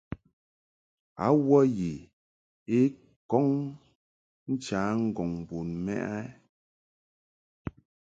A wə yi u kɔŋ ncha ŋgɔŋ bun mɛʼ a?